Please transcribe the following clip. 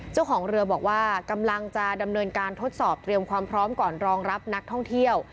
เจ้าของเรือบอกว่ากำลังจะดำเนินการทดสอบเตรียมความพร้อมก่อนรองรับนักท่องเที่ยว